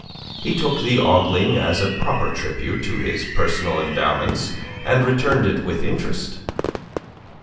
He took the ogling as a proper tribute to his personal endowments, and returned it with interest.